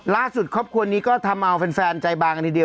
ครอบครัวนี้ก็ทำเอาแฟนใจบางทีเดียว